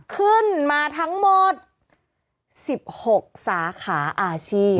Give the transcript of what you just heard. ขึ้นมาทั้งหมด๑๖สาขาอาชีพ